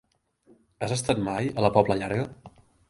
Has estat mai a la Pobla Llarga?